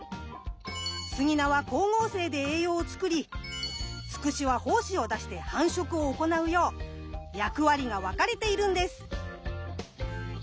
スギナは光合成で栄養を作りツクシは胞子を出して繁殖を行うよう役割が分かれているんです。